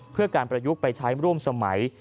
เพื่อการประยุกต์ไปใช้ร่วมสมัย